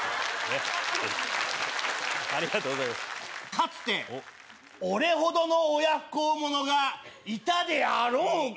かつて、俺ほどの親不孝者がいたであろうか。